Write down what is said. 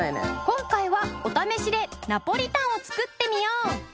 今回はお試しでナポリタンを作ってみよう！